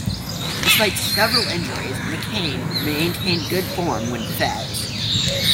Despite several injuries McKain maintained good form when fit.